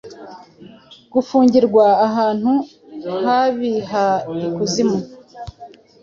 Gufungirwa ahantu habihaikuzimu